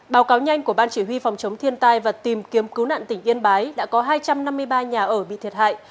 báo cáo nhanh của ban chỉ huy phòng chống thiên tai và tìm kiếm cứu nạn tỉnh yên bái đã có hai trăm năm mươi ba nhà ở bị thiệt hại